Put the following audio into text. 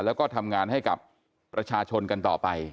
แล้วก็ทำงานให้กับประชาชนกันต่อไป